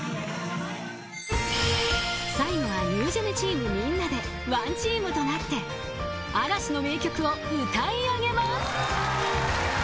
［最後はニュージェネチームみんなでワンチームとなって嵐の名曲を歌いあげます］